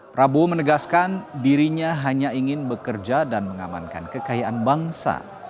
prabowo menegaskan dirinya hanya ingin bekerja dan mengamankan kekayaan bangsa